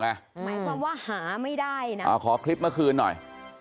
หมายความว่าหาไม่ได้นะขอคลิปเมื่อคืนหน่อย